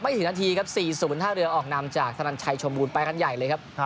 ถึงนาทีครับ๔๐ท่าเรือออกนำจากธนันชัยชมบูรณไปกันใหญ่เลยครับ